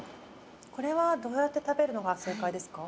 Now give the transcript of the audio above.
これはどうやって食べるのが正解ですか？